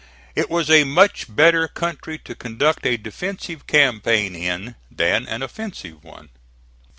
It was a much better country to conduct a defensive campaign in than an offensive one.